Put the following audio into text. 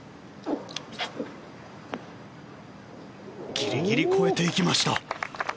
ギリギリ越えていきました。